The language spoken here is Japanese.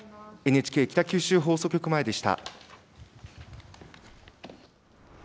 ＮＨＫ北九州放送局前でした。